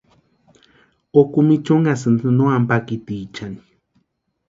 Okumichu unhasïnti no ampakitichani.